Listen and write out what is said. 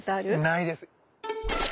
ないです。